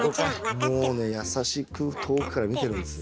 もうね優しく遠くから見てるんですよ。